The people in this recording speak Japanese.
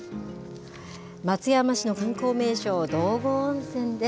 松山市の観光名所、道後温泉です。